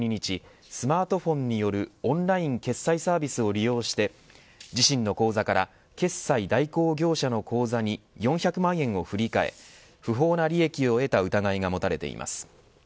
スマートフォンによるオンライン決済サービスを利用して自身の口座から決済代行業者の口座に４００万円を振り替え不法な利益を得た疑いが持たれています。